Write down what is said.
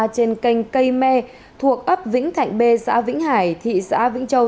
trên canh cây mê thuộc ấp vĩnh thạnh b xã vĩnh hải thị xã vĩnh châu